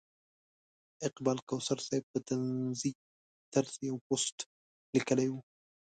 اقبال کوثر صاحب په طنزي طرز یو پوسټ لیکلی و.